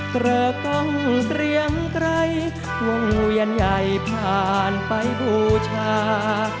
เกลือกองเตรียมไกลวงเย็นใหญ่ผ่านไปบูชา